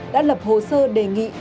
đã lập hồ sơ đề nghị